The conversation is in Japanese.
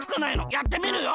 やってみるよ！